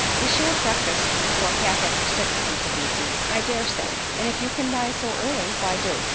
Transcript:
"We shan't breakfast before half after six," continued he, "I dare say; and if you can rise so early—why do."